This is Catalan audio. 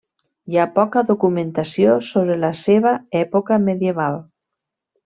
Hi ha poca documentació sobre la seva època medieval.